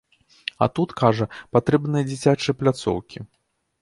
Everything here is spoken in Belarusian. А тут, кажа, патрэбныя дзіцячыя пляцоўкі.